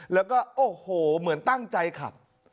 แล้วก็โอ้โหเหมือนตั้งใจขับ